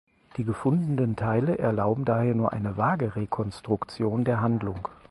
Die gefundenen Teile erlauben daher nur eine vage Rekonstruktion der Handlung.